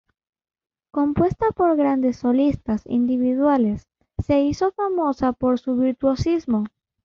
Compuesta por grandes solistas individuales, se hizo famosa por su virtuosismo.